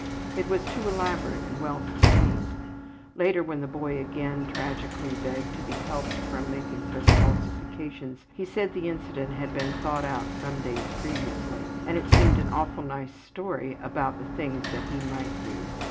It was too elaborate and well sustained. Later, when the boy again tragically begged to be helped from making such falsifications, he said the incident had been thought out some days previously and it seemed an awful nice story about the things that he might do.